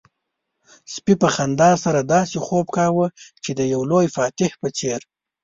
سپي په خندا سره داسې خوب کاوه چې د يو لوی فاتح په څېر.